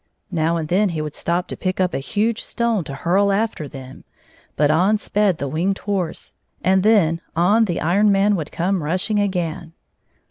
Now and then he would stop to pick up a huge stone to hurl after them, but on sped the Winged Horse, and then on the Iron Man would come rushing again.